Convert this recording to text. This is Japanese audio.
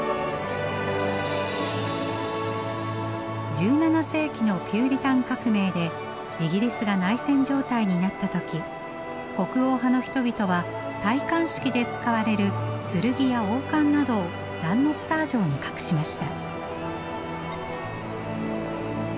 １７世紀のピューリタン革命でイギリスが内戦状態になった時国王派の人々は戴冠式で使われる剣や王冠などをダンノッター城に隠しました。